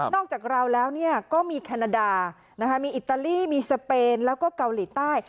จากเราแล้วก็มีแคนาดามีอิตาลีมีสเปนแล้วก็เกาหลีใต้